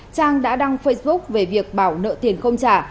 trang đã đăng facebook về việc bảo nợ tiền không trả